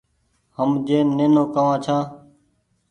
هم جين نينو ڪوآن ڇآن